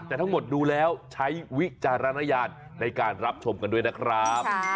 แต่ทั้งหมดดูแล้วใช้วิจารณญาณในการรับชมกันด้วยนะครับ